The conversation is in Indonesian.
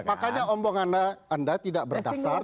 makanya omongan anda tidak berdasar